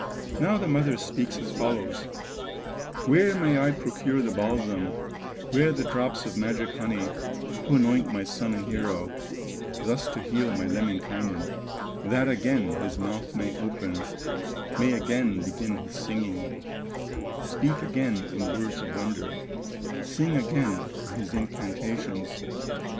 Now the mother speaks as follows: "Where may I procure the balsam, Where the drops of magic honey, To anoint my son and hero, Thus to heal my Lemminkainen, That again his month may open, May again begin his singing, Speak again in words of wonder, Sing again his incantations?